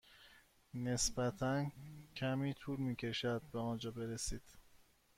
نسبتا کمی طول می کشد به آنجا برسید.